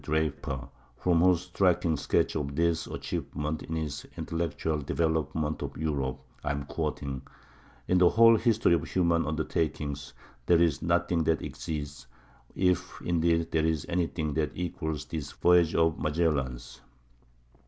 Draper, from whose striking sketch of this achievement in his "Intellectual Development of Europe" I am quoting]—in the whole history of human undertakings there is nothing that exceeds, if, indeed, there is anything that equals, this voyage of Magellan's.